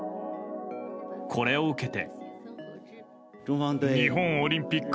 これを受けて。